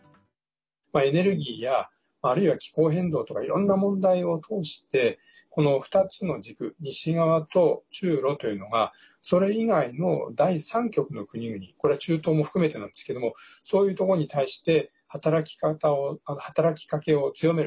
エネルギーやあるいは気候変動とかいろんな問題を通してこの２つの軸西側と中ロというのがそれ以外の第三極の国々、これは中東も含めてなんですけどもそういうところに対して働きかけを強める。